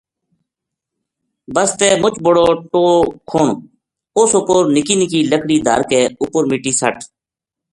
بسطے مچ بڑو ٹوہ کھن اُس اُپر نکی نکی لکڑی دھر کے اُپر مِٹی سٹ